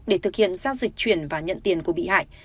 để thực hiện giao dịch chuyển và nhận tiền của bị hại